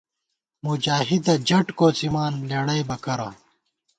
مُجاہِدہ جٹ کوڅِمان لېڑَئیبہ کرہ